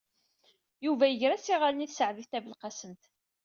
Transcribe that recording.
Yuba iger-as iɣallen i Taseɛdit Tabelqasemt.